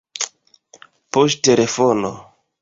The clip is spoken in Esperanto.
poŝtelefono